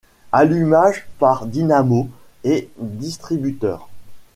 Allumage par dynamo et distributeur.